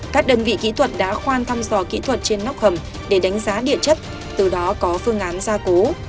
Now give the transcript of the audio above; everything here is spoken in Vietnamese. các đơn vị kỹ thuật đã khoan thăm dò kỹ thuật trên nóc hầm để đánh giá địa chất từ đó có phương án gia cố